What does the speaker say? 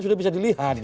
sudah bisa dilihat